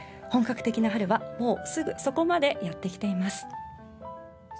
本格的な春はもうすぐそこまでやってきています。